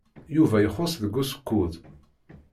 Yuba ixuṣṣ deg usekkud.